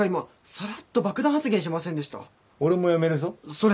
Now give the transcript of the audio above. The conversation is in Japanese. それ！